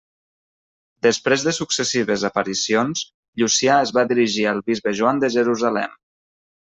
Després de successives aparicions, Llucià es va dirigir al bisbe Joan de Jerusalem.